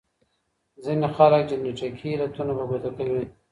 ځينې خلګ جينيټيکي علتونه په ګوته کوي.